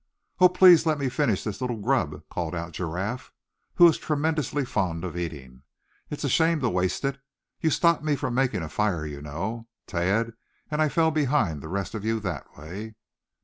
"Oh! please let me finish this little grub," called out Giraffe, who was tremendously fond of eating; "it's a shame to waste it. You stopped me from making a fire you know, Thad; and I fell behind the rest of you that way."